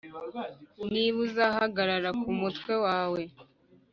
niba uzahagarara kumutwe wawe